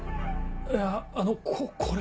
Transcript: いやあのここれ。